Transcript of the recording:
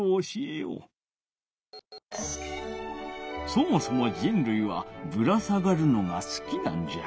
そもそも人るいはぶら下がるのがすきなんじゃ。